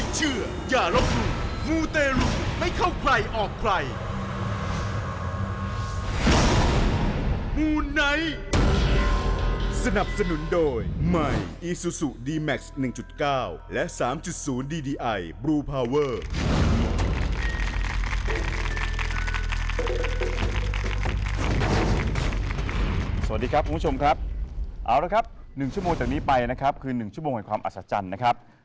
สวัสดีครับคุณผู้ชมครับเอาละครับ๑ชั่วโมงจากนี้ไปนะครับคือ๑ชั่วโมงแห่งความอัศจรรย์นะครับ